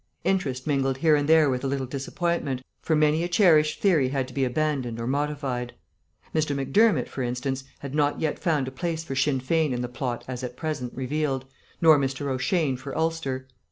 Interest mingled here and there with a little disappointment, for many a cherished theory had to be abandoned or modified. Mr. Macdermott, for instance, had not yet found a place for Sinn Fein in the plot as at present revealed, nor Mr. O'Shane for Ulster.